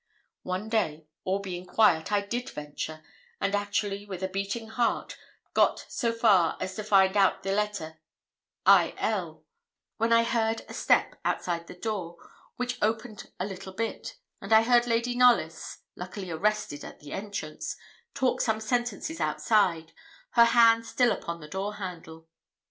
One day, all being quiet, I did venture, and actually, with a beating heart, got so far as to find out the letter 'Il,' when I heard a step outside the door, which opened a little bit, and I heard Lady Knollys, luckily arrested at the entrance, talk some sentences outside, her hand still upon the door handle.